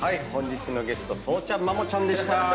本日のゲストソウちゃんマモちゃんでした。